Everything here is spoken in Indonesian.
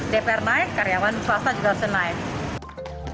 dpr naik karyawan swasta juga harus naik